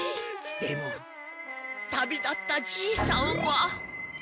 でも旅立ったじいさんは。